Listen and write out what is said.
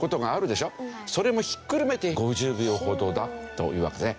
それもひっくるめて５０秒ほどだというわけですね。